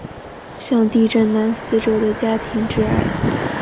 向地震男死者的家庭致哀。